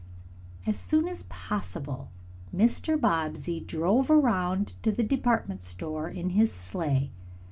As soon as possible Mr. Bobbsey drove around to the department store in his sleigh.